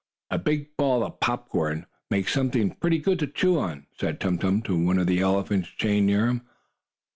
"A big ball of popcorn makes something pretty good to chew on," said Tum Tum to one of the elephants chained near him.